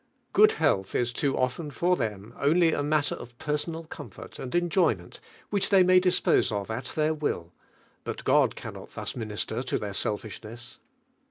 Good health is too often for them only a matter of personal comfort and enjoyment which they may dispose of at their will, bnt God cannot thus min ister to their selfishness.